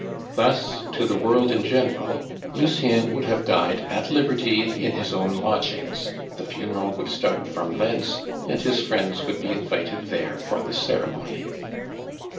Thus, to the world in general, Lucien would have died at liberty in his own lodgings, the funeral would start from thence, and his friends would be invited there for the ceremony.